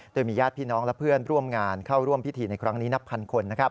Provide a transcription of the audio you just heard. โดยมีญาติพี่น้องและเพื่อนร่วมงานเข้าร่วมพิธีในครั้งนี้นับพันคน